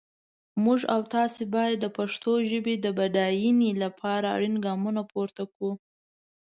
موږ او تاسي باید د پښتو ژپې د بډاینې لپاره اړین ګامونه پورته کړو.